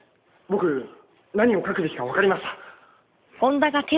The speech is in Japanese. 僕何を書くべきか分かりました。